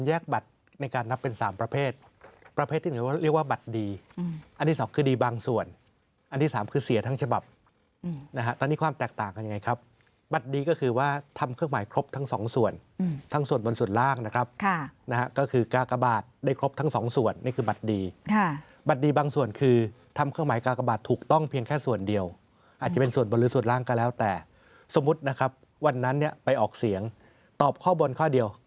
ว่าทำเครื่องหมายครบทั้งสองส่วนอืมทั้งส่วนบนส่วนล่างนะครับค่ะนะฮะก็คือกากบาทได้ครบทั้งสองส่วนนี่คือบัตรดีค่ะบัตรดีบางส่วนคือทำเครื่องหมายกากบาทถูกต้องเพียงแค่ส่วนเดียวอาจจะเป็นส่วนบนหรือส่วนล่างก็แล้วแต่สมมุตินะครับวันนั้นเนี่ยไปออกเสียงตอบข้อบนข้อเด